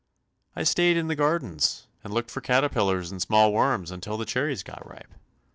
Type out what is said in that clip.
"I stayed in the gardens, and looked for caterpillars and small worms, until the cherries got ripe."